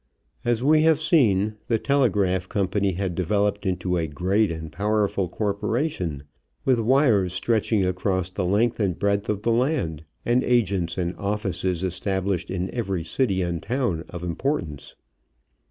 As we have seen, the telegraph company had developed into a great and powerful corporation with wires stretching across the length and breadth of the land and agents and offices established in every city and town of importance.